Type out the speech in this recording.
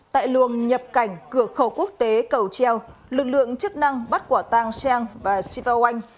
tại luồng nhập cảnh cửa khẩu quốc tế cầu treo lực lượng chức năng bắt quả tang shang và siva wang